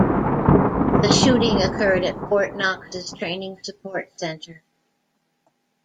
The shooting occurred at Fort Knox's Training Support Center.